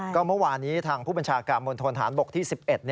ก็เมื่อวานี้ภูมิพญชาการโบริษัททานบกที่๑๑